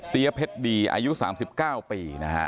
เพชรดีอายุ๓๙ปีนะฮะ